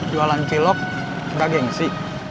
jualan cilok udah gengsi